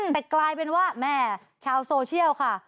แต่กลายเป็นว่าแม่ชาวโซเชียลค่ะ